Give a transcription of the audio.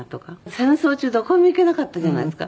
戦争中どこにも行けなかったじゃないですか。